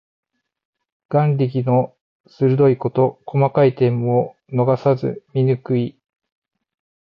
眼力の鋭いこと。細かい点も逃さず見抜く意。